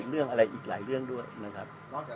เรื่องอะไรอีกหลายเรื่องด้วยนะครับ